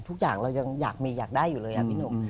ทุกอย่างเรายังอยากมีอยากได้อยู่เลยพี่หนุ่ม